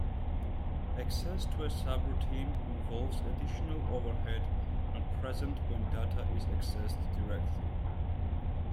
Access to a subroutine involves additional overhead not present when data is accessed directly.